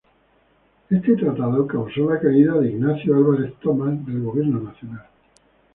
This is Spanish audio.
Este tratado causó la caída de Ignacio Álvarez Thomas del gobierno nacional.